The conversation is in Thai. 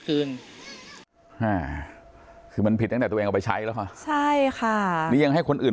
คืนอ่าคือมันผิดตั้งแต่ตัวเองเอาไปใช้แล้วค่ะใช่ค่ะนี่ยังให้คนอื่น